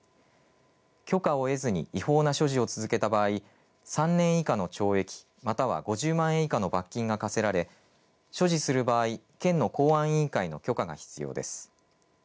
許可を得ずに違法な所持を続けた場合、３年以下の懲役、または５０万円以下の罰金が科せられ所持する場合、県の公安委員会の許可が必要です。